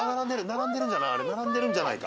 並んでる並んでるんじゃない？